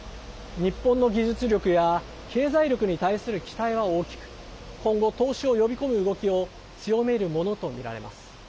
日本の技術力や経済力に対する期待は大きく今後、投資を呼び込む動きを強めるものとみられます。